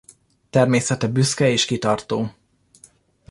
Természete büszke és kitartó.